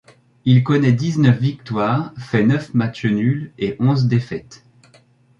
Il connait dix-neuf victoires, fait neuf matchs nuls et onze défaites.